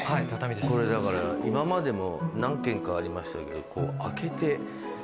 これだから今までも何軒かありましたけど。